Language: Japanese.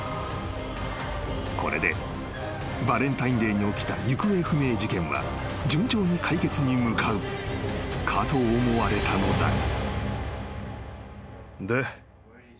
［これでバレンタインデーに起きた行方不明事件は順調に解決に向かうかと思われたのだが］